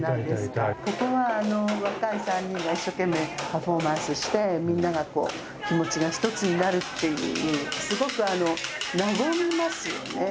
ここは若い３人が一生懸命パフォーマンスしてみんながこう気持ちがひとつになるっていうすごく和みますよね。